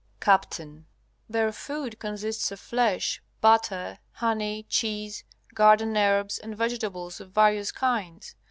Capt. Their food consists of flesh, butter, honey, cheese, garden herbs, and vegetables of various kinds.